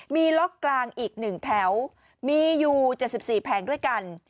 มีล็อกกลางอีก๑แถวมีอยู่๗๔แผงด้วยกัน